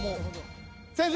先生